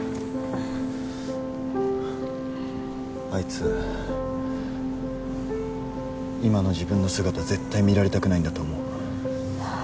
あいつ今の自分の姿絶対見られたくないんだと思う。